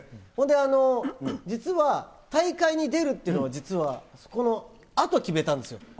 それで、実は大会に出るっていうのが、実はこのあと決めたんですよ。